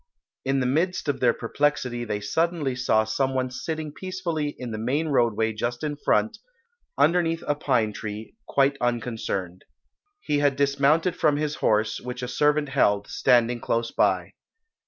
In the midst of their perplexity they suddenly saw some one sitting peacefully in the main roadway just in front, underneath a pine tree, quite unconcerned. He had dismounted from his horse, which a servant held, standing close by.